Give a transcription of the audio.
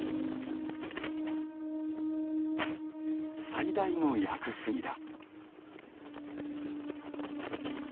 最大の屋久杉だ。